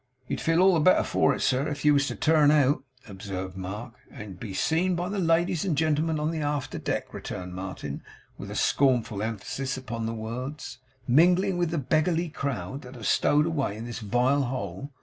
'You'd feel all the better for it, sir, if you was to turn out,' observed Mark. 'And be seen by the ladies and gentlemen on the after deck,' returned Martin, with a scronful emphasis upon the words, 'mingling with the beggarly crowd that are stowed away in this vile hole.